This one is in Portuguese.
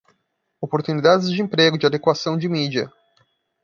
Oportunidades de emprego de adequação de mídia